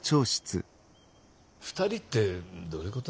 ２人ってどういうこと？